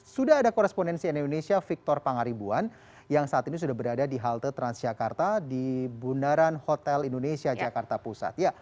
sudah ada korespondensi indonesia victor pangaribuan yang saat ini sudah berada di halte transjakarta di bundaran hotel indonesia jakarta pusat